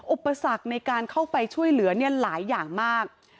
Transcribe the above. อุปสรรคในการเข้าไปช่วยเหลือหลายอย่างมาก